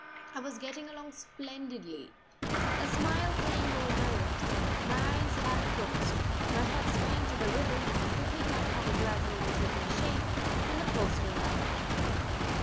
I was getting along splendidly a smile playing over my lips, my eyes half closed, my head swaying to the rhythm, the thing I hummed gradually taking shape when the post arrived.